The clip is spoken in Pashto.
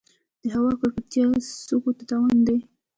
د هوا ککړتیا سږو ته تاوان دی.